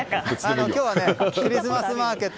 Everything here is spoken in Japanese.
今日はクリスマスマーケット